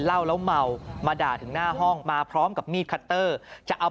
เหล้าแล้วเมามาด่าถึงหน้าห้องมาพร้อมกับมีดคัตเตอร์จะเอา